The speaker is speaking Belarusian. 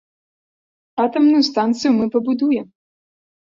Атамную станцыю мы пабудуем.